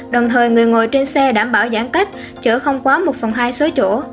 đồng thời người ngồi trên xe đảm bảo giãn cách chữa không quá một phòng hai số chỗ